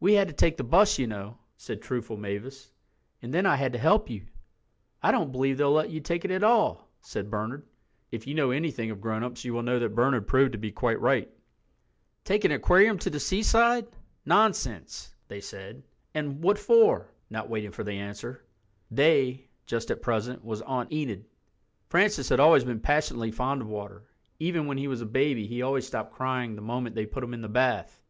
"We had to take the bus, you know," said truthful Mavis, "and then I had to help you." "I don't believe they'll let you take it at all," said Bernard—if you know anything of grown ups you will know that Bernard proved to be quite right. "Take an aquarium to the seaside—nonsense!" they said. And "What for?" not waiting for the answer. "They," just at present, was Aunt Enid. Francis had always been passionately fond of water. Even when he was a baby he always stopped crying the moment they put him in the bath.